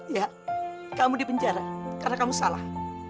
ya kamu dipenjara karena kamu salah